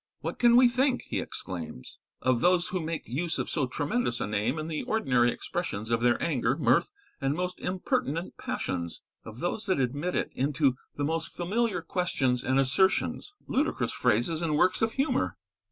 "What can we think," he exclaims, "of those who make use of so tremendous a name in the ordinary expressions of their anger, mirth, and most impertinent passions? of those that admit it into the most familiar questions and assertions, ludicrous phrases and works of humour?"